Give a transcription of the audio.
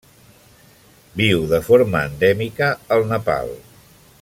Viu de forma endèmica al Nepal.